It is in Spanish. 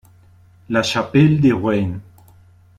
La Chapelle-de-Brain